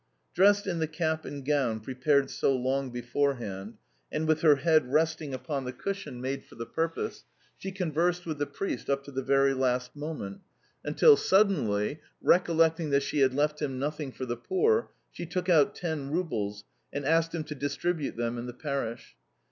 Dressed in the cap and gown prepared so long beforehand, and with her head resting, upon the cushion made for the purpose, she conversed with the priest up to the very last moment, until, suddenly, recollecting that she had left him nothing for the poor, she took out ten roubles, and asked him to distribute them in the parish.